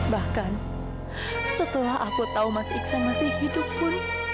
bahkan setelah aku tahu mas iksan masih hidup pun